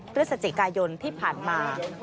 พฤศจิกายนที่ผ่านมา